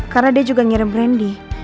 karena dia juga ngirim randy